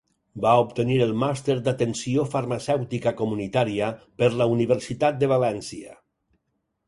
Va obtenir el Màster d'Atenció Farmacèutica Comunitària per la Universitat de València.